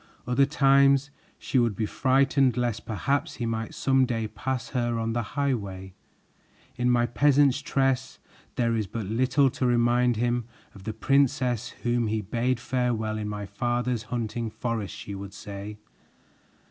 Other times she would be frightened lest perhaps he might some day pass her on the highway. "In my peasant's dress, there is but little to remind him of the princess whom he bade farewell in my father's hunting forest," she would say.